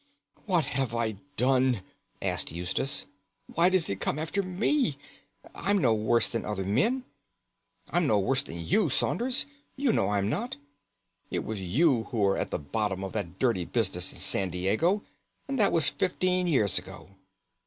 "What have I done?" asked Eustace. "Why does it come after me? I'm no worse than other men. I'm no worse than you, Saunders; you know I'm not. It was you who were at the bottom of that dirty business in San Diego, and that was fifteen years ago."